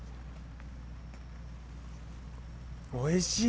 おいしい。